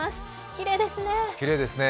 きれいですね。